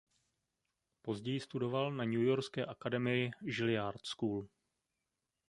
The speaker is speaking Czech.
Později studoval na newyorské akademii Juilliard School.